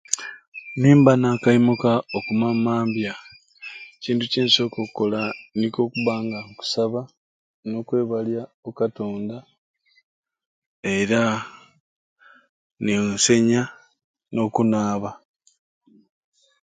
Nimba nakaimuka oku mambya mambya ekintu kyensoka okola niko okuba nga nkusaba nokwebalya okatonda era ninsenya n'okunaaba